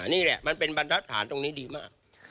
นี่แหละมันเป็นบรรทัศน์ตรงนี้ดีมาก